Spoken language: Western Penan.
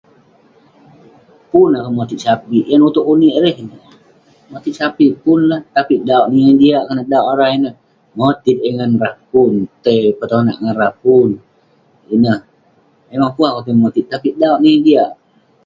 Pun akouk motit sapik, yah nutouk kok nik erei keh ineh ..motit sapik pun lah, tapik dauk neh yeng jiak konak dauk arah ineh..motit ngan rah pun, tai petonak ngan rah, pun..ineh, pongah pun akouk tai motit tapik dauk neh yeng jiak..